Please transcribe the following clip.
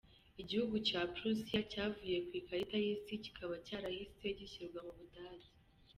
Igihugu cya Prussia cyavuye ku ikarita y’isi, kikaba cyarahise gishyirwa mu Budage.